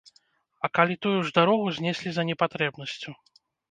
А калі тую ж дарогу знеслі за непатрэбнасцю?